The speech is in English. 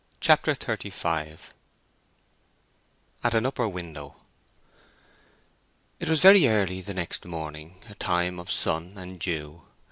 CHAPTER XXXV AT AN UPPER WINDOW It was very early the next morning—a time of sun and dew.